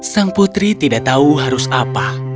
sang putri tidak tahu harus apa